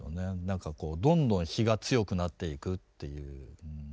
何かこうどんどん火が強くなっていくっていううん。